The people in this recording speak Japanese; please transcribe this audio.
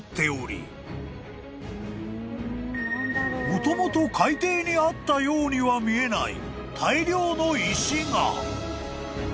［もともと海底にあったようには見えない］